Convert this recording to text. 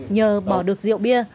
nhờ bỏ được rượu bia